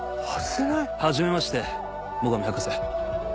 はじめまして最上博士。